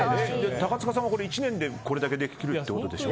高塚さんも１年でこれだけできるってことでしょ？